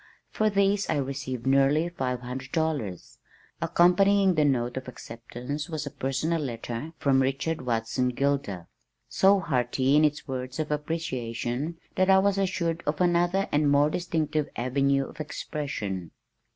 For these I received nearly five hundred dollars! Accompanying the note of acceptance was a personal letter from Richard Watson Gilder, so hearty in its words of appreciation that I was assured of another and more distinctive avenue of expression.